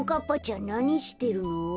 んなにしてるの？